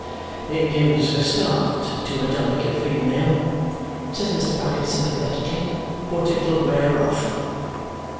"It gives a start to a delicate female," says Mr. Bucket sympathetically, "but it'll wear off."